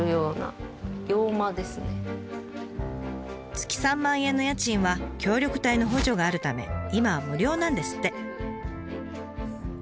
月３万円の家賃は協力隊の補助があるため今は無料なんですって。